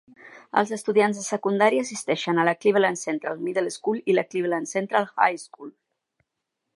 Els estudiants de secundària assisteixen a la Cleveland Central Middle School i la Cleveland Central High School.